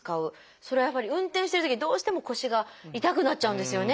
それはやっぱり運転してるときどうしても腰が痛くなっちゃうんですよね。